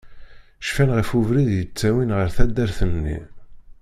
Cfan ɣef ubrid i yettawin ar taddart-nni.